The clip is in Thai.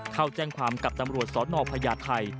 เข้าแจ้งความกับตำรวจสนพญาไทย